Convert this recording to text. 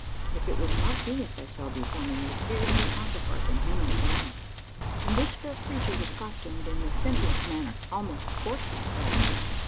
If it was not Venus I saw before me, it appeared her counterpart in human form! And this fair creature was costumed in the simplest manner almost coarsely clad.